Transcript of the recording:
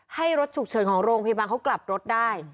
ให้รถฉุกเฉินของโรงพยาบาลเขากลับรถได้